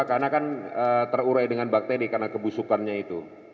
karena kan terurai dengan bakteri karena kebusukannya itu